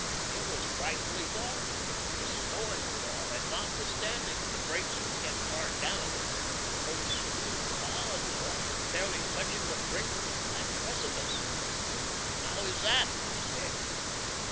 It was frightfully dark. It was snowing withal, and notwithstanding the brakes were kept hard down, the coach slewed wildly, often fairly touching the brink of the black precipice. "How is that?" I said.